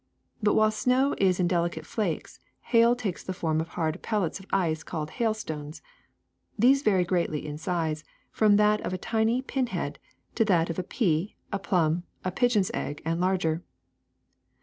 But while snow is in delicate flakes, hail takes the form of hard pellets of ice called hailstones. These vary greatly in size, from that of a tiny pin head to that of a pea, a plum, a pigeon's egg, and larger.